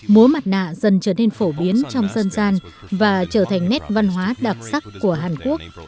múa mặt nạ dần trở nên phổ biến trong dân gian và trở thành nét văn hóa đặc sắc của hàn quốc